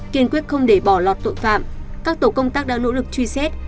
kiên quyết không để bỏ lọt tội phạm các tổ công tác đã nỗ lực truy xét